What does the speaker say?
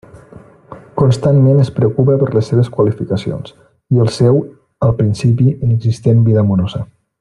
Constantment es preocupa per les seves qualificacions i el seu, al principi, inexistent vida amorosa.